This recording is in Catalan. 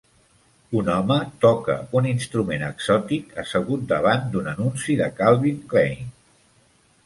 Un home toca un instrument exòtic assegut davant d'un anunci de Calvin Klein.